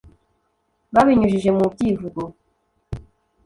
Babinyujije mu byivugo